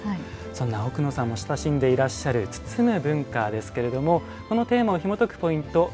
そんな奥野さんも親しんでいらっしゃる包む文化ですけれどもこのテーマをひもとくポイント